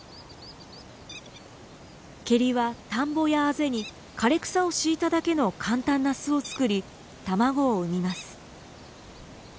ケリは田んぼやあぜに枯れ草を敷いただけの簡単な巣を作り卵を産みます。